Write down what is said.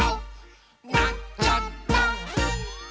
「なっちゃった！」